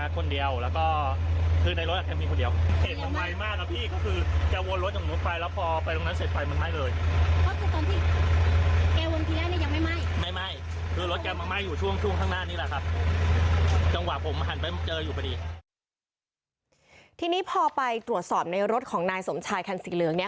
ทีนี้พอไปตรวจสอบในรถของนายสมชายคันสีเหลืองเนี่ย